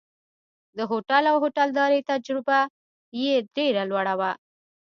د هوټل او هوټلدارۍ تجربه یې ډېره لوړه وه.